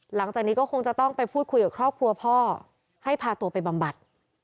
หลังจากนี้ก็คงจะต้องไปพูดคุยกับครอบครัวพ่อให้พาตัวไปบำบัด